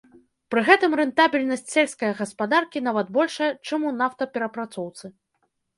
Пры гэтым рэнтабельнасць сельская гаспадаркі нават большая, чым у нафтаперапрацоўцы.